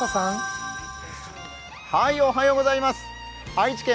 愛知県